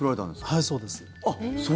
はい、そうです。